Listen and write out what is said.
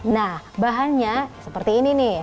nah bahannya seperti ini nih